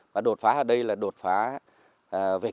và đột phá ở đây là đột phá về kỹ thuật